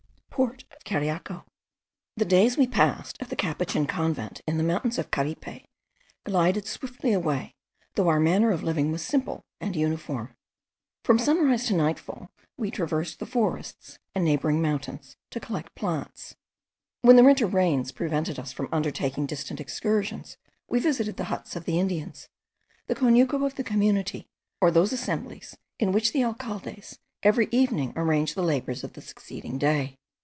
PORT OF CARIACO. The days we passed at the Capuchin convent in the mountains of Caripe, glided swiftly away, though our manner of living was simple and uniform. From sunrise to nightfall we traversed the forests and neighbouring mountains, to collect plants. When the winter rains prevented us from undertaking distant excursions, we visited the huts of the Indians, the conuco of the community, or those assemblies in which the alcaldes every evening arrange the labours of the succeeding day.